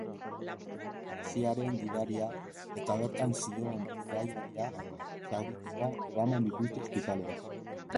Taxiaren gidaria eta bertan zihoan bidaiaria zaurituta eraman dituzte ospitalera.